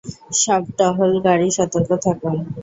সব টহল গাড়ি সতর্ক থাকুন!